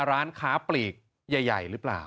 ร้านค้าปลีกใหญ่หรือเปล่า